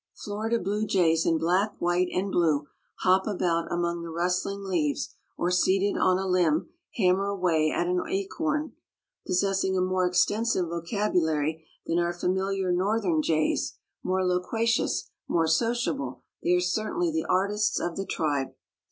Florida blue jays in black, white and blue hop about among the rustling leaves or seated on a limb, hammer away at an acorn. Possessing a more extensive vocabulary than our familiar Northern jays, more loquacious, more sociable, they are certainly the artists of the tribe.